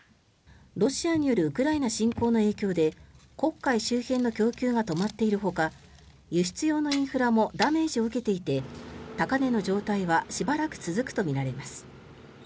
ロシアによるウクライナ侵攻の影響で黒海周辺の供給が止まっているほか輸出用のインフラもダメージを受けていて高値の状態はしばらく続くとみられます。